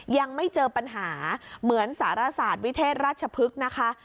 ยังไม่เจอปัญหาเหมือนสารศาสตร์วิเทศราชพฤกษ์นะคะ